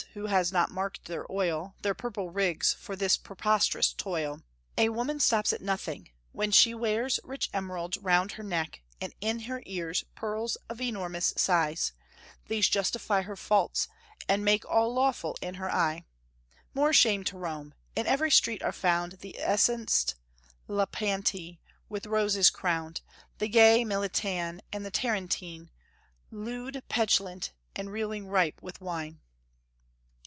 who has not marked their oil, Their purple rigs, for this preposterous toil! A woman stops at nothing; when she wears Rich emeralds round her neck, and in her ears Pearls of enormous size, these justify Her faults, and make all lawful in her eye. More shame to Rome! in every street are found The essenced Lypanti, with roses crowned; The gay Miletan and the Tarentine, Lewd, petulant, and reeling ripe with wine!"